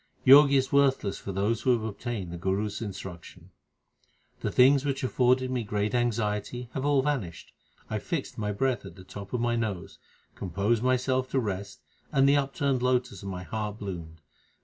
Jog is worthless for those who have obtained the Guru s instruction : The things which afforded me great anxiety have all vanished. I fixed my breath at the top of my nose, composed myself to rest, and the upturned lotus of my heart bloomed.